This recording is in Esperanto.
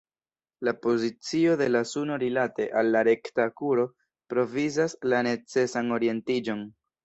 La pozicio de la suno rilate al la rekta kuro provizas la necesan orientiĝon.